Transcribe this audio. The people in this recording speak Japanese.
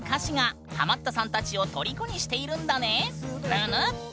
ぬぬっ！